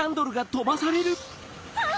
あっ！